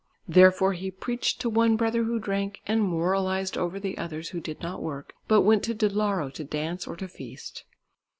Therefore he preached to one brother who drank, and moralised over the others who did not work, but went to Dalarö to dance or to feast.